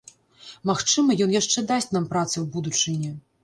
Магчыма, ён яшчэ дасць нам працы ў будучыні.